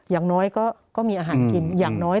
อย่างน้อยก็มีอาหารกินอย่างน้อย